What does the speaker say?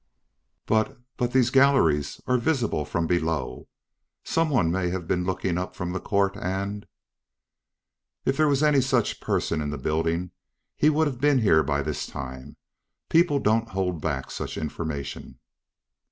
"But but these galleries are visible from below. Some one may have been looking up from the court and " "If there was any such person in the building, he would have been here by this time. People don't hold back such information."